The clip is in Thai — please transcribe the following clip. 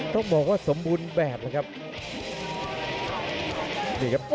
ต้องบอกว่าสมบูรณ์แบบแล้วครับ